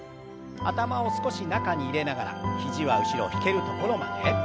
頭を少し中に入れながら肘は後ろ引けるところまで。